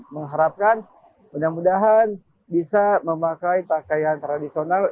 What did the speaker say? mengharapkan mudah mudahan bisa memakai pakaian tradisional